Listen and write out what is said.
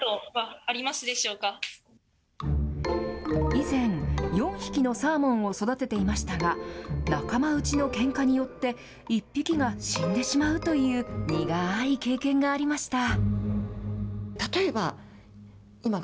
以前、４匹のサーモンを育てていましたが、仲間内のけんかによって、１匹が死んでしまうという、苦い経験がありました。